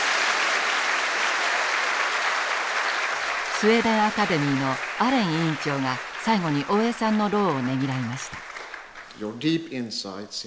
スウェーデン・アカデミーのアレン委員長が最後に大江さんの労をねぎらいました。